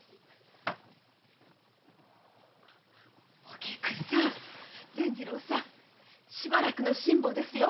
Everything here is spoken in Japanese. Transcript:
お菊さん善次郎さんしばらくの辛抱ですよ。